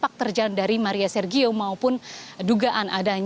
fakat secara eksidesi keadaan ini tidak hanya masalah untuk b prayed dan penutup putri pertahanku